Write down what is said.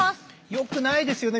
よくないですよね。